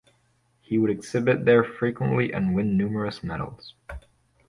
He would exhibit there frequently and win numerous medals.